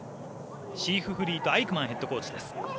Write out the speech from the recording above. シークフリード・アイクマンヘッドコーチです。